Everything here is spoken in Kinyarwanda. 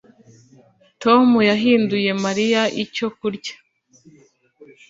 Tom yahinduye Mariya icyo kurya